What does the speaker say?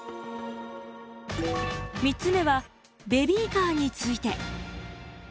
３つ目はベビーカーについて。